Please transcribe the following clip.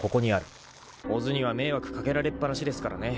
小津には迷惑掛けられっ放しですからね。